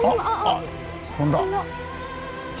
あっ飛んだ。